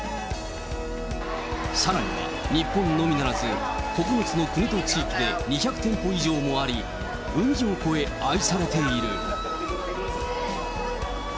さらには、日本のみならず、９つの国と地域で２００店舗以上もあり、を越え、愛されている。